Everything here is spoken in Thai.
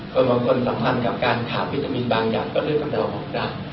คนบางคนสัมพันธ์กับการขาววิตามินบางอย่างก็เลือกกำเดาออกได้